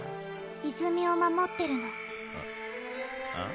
泉を守ってるのん？